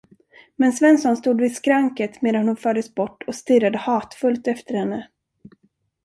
Men Svensson stod vid skranket medan hon fördes bort och stirrade hatfullt efter henne.